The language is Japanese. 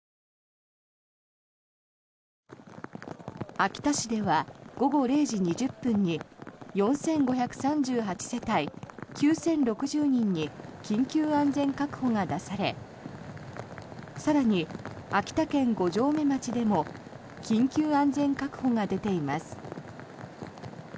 秋田市では午後０時２０分に４５３８世帯９０６０人に緊急安全確保が出され更に、秋田県五城目町でも緊急安全確保が出ています。